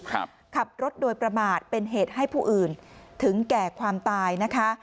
ขับรถโดยประมาทเป็นเหตุให้ผู้อื่นถึงแก่ความตายนะคะ